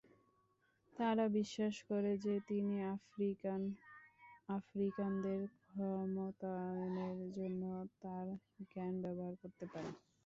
তারা বিশ্বাস করে যে তিনি আফ্রিকান আমেরিকানদের ক্ষমতায়নের জন্য তার জ্ঞান ব্যবহার করতে পারে।